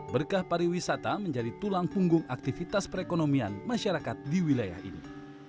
berkah pariwisata menjadi tulang punggung aktivitas perekonomian masyarakat di wilayah ini